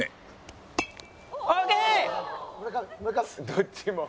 「どっちも」